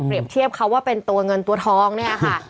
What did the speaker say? เทียบเขาว่าเป็นตัวเงินตัวทองเนี่ยค่ะ